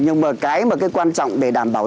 nhưng mà cái mà quan trọng để đảm bảo